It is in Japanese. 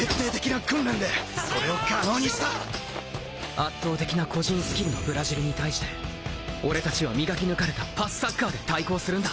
圧倒的な個人スキルのブラジルに対して俺たちは磨き抜かれたパスサッカーで対抗するんだ。